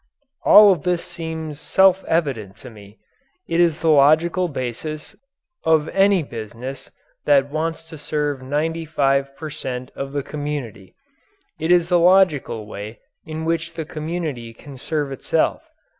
All of this seems self evident to me. It is the logical basis of any business that wants to serve 95 per cent. of the community. It is the logical way in which the community can serve itself.